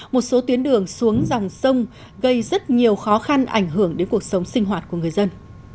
một số tuyến đường xuống dòng sông gây rất nhiều khó khăn ảnh hưởng đến cuộc sống sinh hoạt của người dân